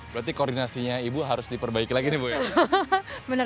berarti koordinasinya ibu harus diperbaiki lagi nih bu ya